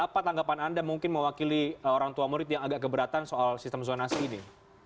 apa tanggapan anda mungkin mewakili orang tua murid yang agak keberatan soal sistem zonasi ini